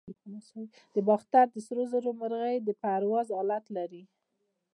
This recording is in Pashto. د باختر د سرو زرو مرغۍ د پرواز حالت لري